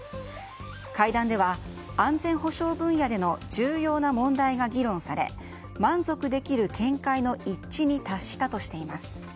会談では、安全保障分野での重要な問題が議論され満足できる見解の一致に達したとしています。